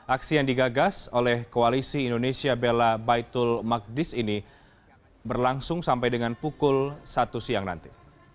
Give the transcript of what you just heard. aksi yang digagas oleh koalisi indonesia bela baitul maqdis ini berlangsung sampai dengan pukul satu siang nanti